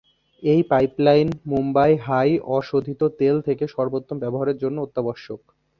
এই pipeline Mumbai high অশোধিত তেল থেকে সর্বোত্তম ব্যবহার জন্য অত্যাবশ্যক।